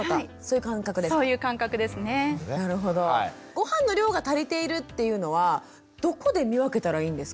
ごはんの量が足りているっていうのはどこで見分けたらいいんですか？